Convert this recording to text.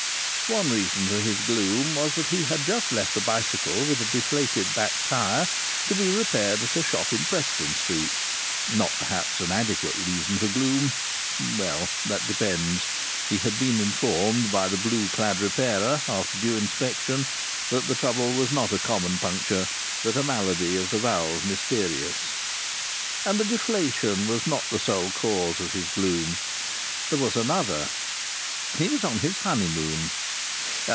One reason for his gloom was that he had just left a bicycle, with a deflated back tyre, to be repaired at a shop in Preston Street. Not perhaps an adequate reason for gloom!... Well, that depends. He had been informed by the blue clad repairer, after due inspection, that the trouble was not a common puncture, but a malady of the valve mysterious. And the deflation was not the sole cause of his gloom. There was another. He was on his honeymoon.